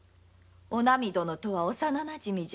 お波殿とは幼なじみじゃ。